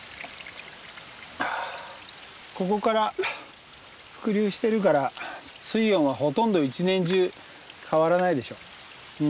ここから伏流してるから水温はほとんど１年中変わらないでしょう。